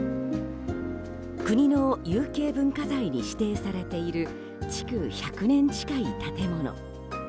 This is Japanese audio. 国の有形文化財に指定されている築１００年近い建物。